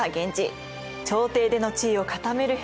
朝廷での地位を固める平氏。